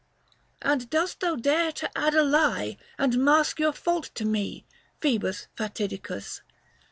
" And dost thou dare to add a lie, and mask Your fault to me, Phoebus Fatidicus